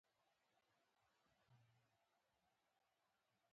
خلک فکر کوي هغه موجودات چې په دې قصر کې اوسېدل ورک شول.